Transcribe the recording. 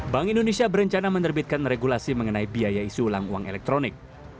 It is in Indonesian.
bank indonesia berencana menerbitkan regulasi mengenai biaya isi ulang uang elektronik